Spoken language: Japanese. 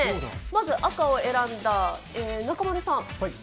まず赤を選んだ中丸さん。